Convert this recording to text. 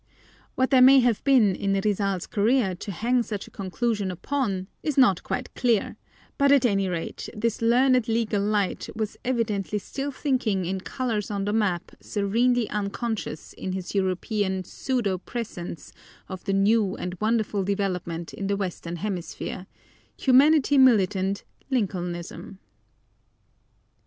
What there may have been in Rizal's career to hang such a conclusion upon is not quite dear, but at any rate this learned legal light was evidently still thinking in colors on the map serenely unconscious in his European pseudo prescience of the new and wonderful development in the Western Hemisphere humanity militant, Lincolnism.